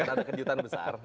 atau ada kejutan besar